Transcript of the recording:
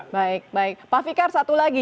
baik baik pak fikar satu lagi